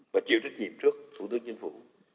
và chịu trách nhiệm trước thủ tướng chính phủ